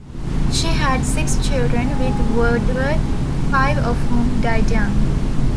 She had six children with Woodworth, five of whom died young.